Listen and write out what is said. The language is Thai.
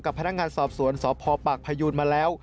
พนักงานสอบสวนสพปากพยูนมาแล้ว